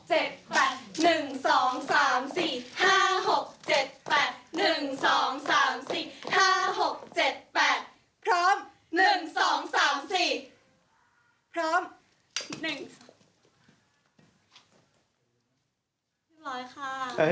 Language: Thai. เรียบร้อยค่ะ